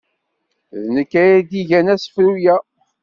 D nekk ay d-igan asefru-a.